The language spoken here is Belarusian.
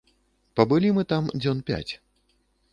Пабылі мы там дзён пяць.